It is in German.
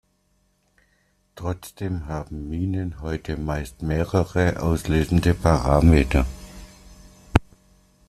Trotzdem haben Minen heute meist mehrere auslösende Parameter.